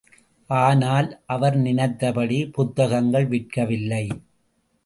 ஆனால் அவர் நினைத்தப்டி புத்தகங்கள் விற்கவில்லை.